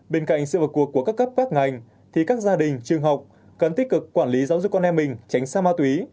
bên cạnh sự vào cuộc của các cấp các ngành thì các gia đình trường học cần tích cực quản lý giáo dục con em mình tránh xa ma túy